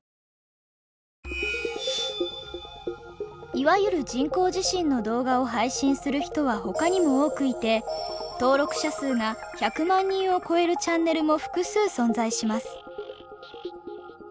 いわゆる人工地震の動画を配信する人は他にも多くいて登録者数が１００万人を超えるチャンネルも複数存在します。